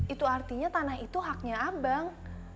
itu artinya tanah itu haknya abang